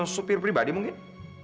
supir pribadi mungkin